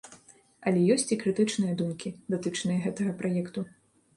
Але ёсць і крытычныя думкі, датычныя гэтага праекту.